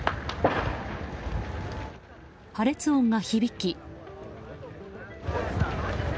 破裂音が響き。